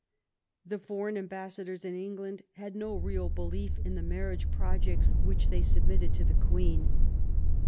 The foreign ambassadors in England had no real belief in the marriage projects which they submitted to the Queen.